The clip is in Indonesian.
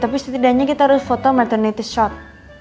tapi setidaknya kita harus foto mertonated shot